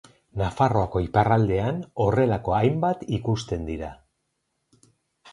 Nafarroako iparraldean horrelako hainbat ikusten dira.